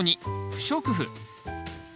不織布。